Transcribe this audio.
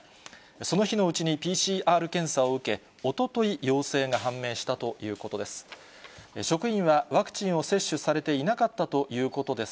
その日のうちにＰＣＲ検査を受け、おととい陽性が判明したということです。